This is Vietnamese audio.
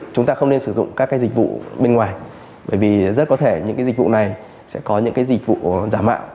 chúng ta không nên sử dụng các dịch vụ bên ngoài bởi vì rất có thể những dịch vụ này sẽ có những dịch vụ giả mạo